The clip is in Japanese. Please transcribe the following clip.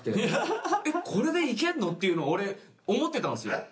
えっ、これでいけるの？っていうのを俺、思ってたんですよ。